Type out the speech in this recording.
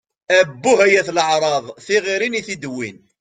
Abbuh, ay at leεṛaḍ! Tiɣiṛin i tid-wwin!